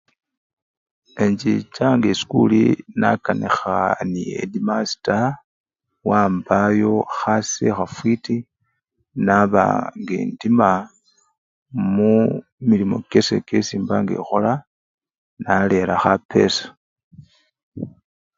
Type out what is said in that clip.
Enchichanga esikuli nakanikha nende khedimasita wambayo khase khafwiti naba nga endima mumilimo kyase kyesi emba nga ekhola, nalera khapesa.